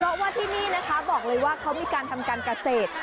เพราะว่าที่นี่นะคะบอกเลยว่าเขามีการทำการเกษตร